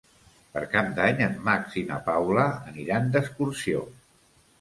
Per Cap d'Any en Max i na Paula aniran d'excursió.